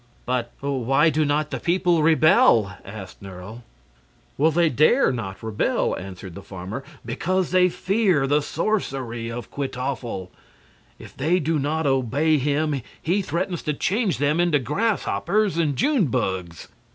"But why do not the people rebel?" asked Nerle. "They dare not rebel," answered the farmer, "because they fear the sorcery of Kwytoffle. If they do not obey him he threatens to change them into grasshoppers and June bugs."